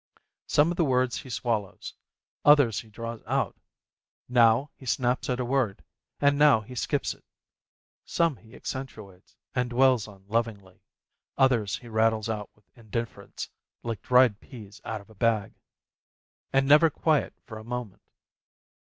Some of the words he swallows, others he draws out ; now he snaps at a word, and now he skips it; some he accentuates and dwells on lovingly, others he rattles out with indifference, like dried peas out of a bag. And never quiet for a moment.